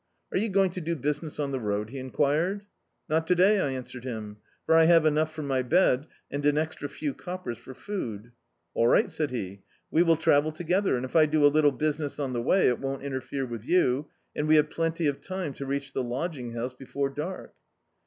Are you going to do business on the road?" he enquired. "Not to day," I answered him, "for I have enou^ for my bed, and an extra few coppers for food." "All rigjit," said he, "we will travel together, and if I do a little business on the way it won't interfere with you, and we have plenty of time to reach the lodging house before dark."